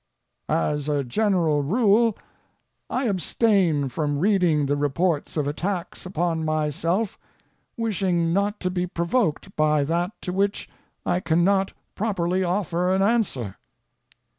As a general rule, I abstain from reading the reports of attacks upon myself, wishing not to be provoked by that to which I can not properly offer an answer.